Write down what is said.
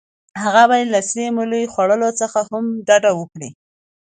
هغه باید له سرې مولۍ خوړلو څخه هم ډډه وکړي.